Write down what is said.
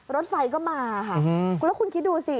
รถไฟก็มาค่ะแล้วคุณคิดดูสิ